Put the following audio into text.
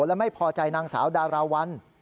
และไม่พอใจนางสาวดาราวัน